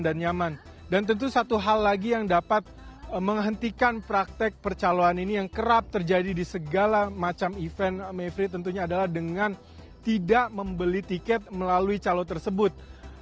dan tentu satu hal lagi yang dapat menghentikan praktek percaloan ini yang kerap terjadi di segala macam event mayfreet tentunya adalah dengan tidak membeli tiket melalui calon tersebut